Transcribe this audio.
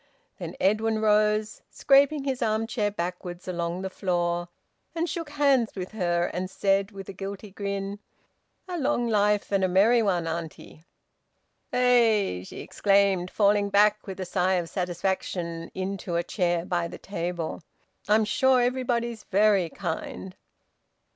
Then Edwin rose, scraping his arm chair backwards along the floor, and shook hands with her, and said with a guilty grin "A long life and a merry one, auntie!" "Eh!" she exclaimed, falling back with a sigh of satisfaction into a chair by the table. "I'm sure everybody's very kind.